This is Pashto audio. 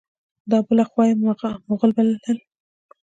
دا بله خوا یې مغل بلل.